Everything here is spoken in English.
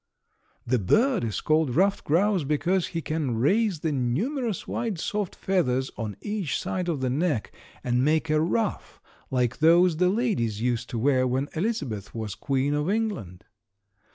"This bird is called ruffed grouse because he can raise the numerous wide soft feathers on each side of the neck and make a ruff like those the ladies used to wear when Elizabeth was Queen of England.